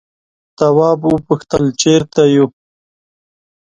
تواب وپوښتل چیرته یو.